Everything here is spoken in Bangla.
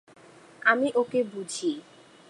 আমি ওকে বুঝি।